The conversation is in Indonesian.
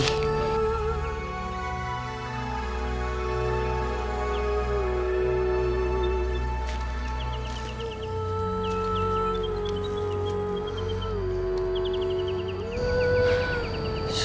aku lelah sekali